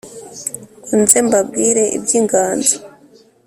ngo nze mbabwire iby’inganzo